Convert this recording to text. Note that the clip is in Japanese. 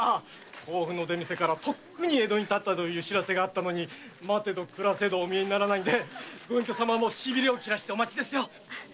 甲府の出店からとっくに江戸に発ったと報せがあったのに待てど暮らせどお見えにならずご隠居さまもしびれをきらしてお待ちですよ。